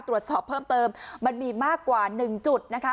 ตรวจสอบเพิ่มเติมมันมีมากกว่า๑จุดนะคะ